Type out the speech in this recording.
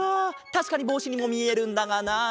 たしかにぼうしにもみえるんだがなあ。